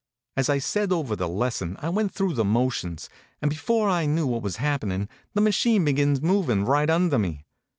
As I said over the lesson I went through the motions, and before I knew what was happenin the machine begins movin right under me.